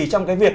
trong cái việc